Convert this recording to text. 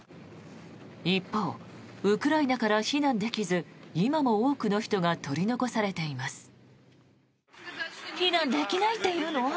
一方、ウクライナから避難できず今も多くの人が取り残されています。